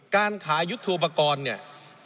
การขายยุทธโปรกรณ์เนี่ย